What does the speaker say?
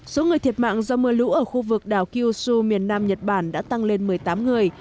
số người thiệt mạng do mưa lũ ở khu vực đảo kyushu miền nam nhật bản đã tăng lên một mươi tám người